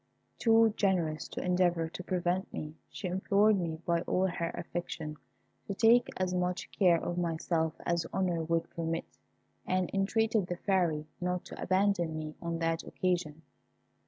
Too generous to endeavour to prevent me, she implored me by all her affection, to take as much care of myself as honour would permit, and entreated the Fairy not to abandon me on that occasion.